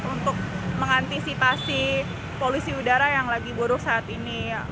untuk mengantisipasi polusi udara yang lagi buruk saat ini